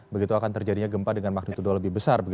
begitu akan terjadinya gempa dengan magnitudo lebih besar